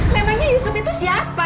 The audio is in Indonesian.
memangnya yusuf itu siapa